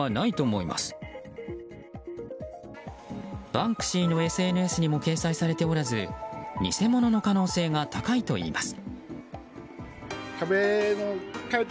バンクシーのＳＮＳにも掲載されておらず偽物の可能性が高いといいます。